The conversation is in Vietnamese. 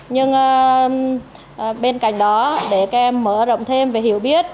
nhưng bên cạnh đó để các em mở rộng thêm về hiểu biết